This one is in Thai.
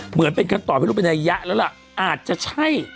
เหมือนเป็นคำตอบไม่รู้เป็นนัยยะแล้วล่ะอาจจะใช่